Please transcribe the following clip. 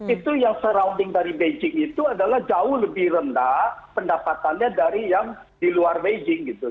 itu yang serounding dari beijing itu adalah jauh lebih rendah pendapatannya dari yang di luar beijing gitu